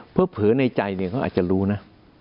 เผลอในใจเนี่ยเขาอาจจะรู้นะ